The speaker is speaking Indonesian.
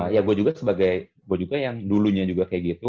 ya gue juga sebagai gue juga yang dulunya juga kayak gitu